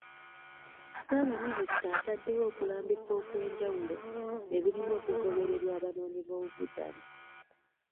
Ssaabaminisita ataddewo okulambika okw'enjawulo ebirina okugobererwa abanoonyiboobubudamu.